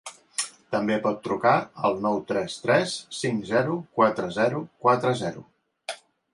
També pot trucar al nou tres tres cinc zero quatre zero quatre zero.